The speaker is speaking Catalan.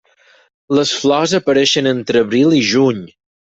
Les flors apareixen entre abril i juny.